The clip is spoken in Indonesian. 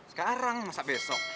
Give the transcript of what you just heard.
sekarang masa besok